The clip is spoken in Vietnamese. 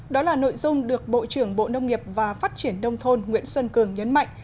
đó là nội dung được bộ trưởng bộ nông nghiệp và phát triển đông thôn nguyễn xuân cường nhấn mạnh